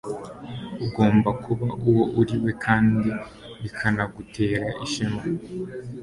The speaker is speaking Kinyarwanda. ugomba kuba uwo uriwe kandi bikanagutera ishema